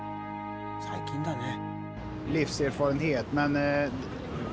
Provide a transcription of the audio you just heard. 最近だね。